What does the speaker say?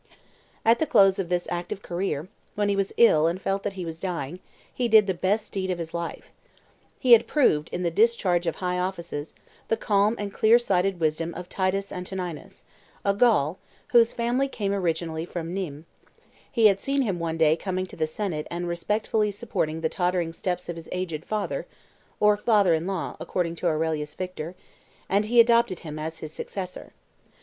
At the close of this active career, when he was ill and felt that he was dying, he did the best deed of his life. He had proved, in the discharge of high offices, the calm and clear sighted wisdom of Titus Antoninus, a Gaul, whose family came originally from Nimes; he had seen him one day coming to the senate and respectfully supporting the tottering steps of his aged father (or father in law, according to Aurelius Victor); and he adopted him as his successor.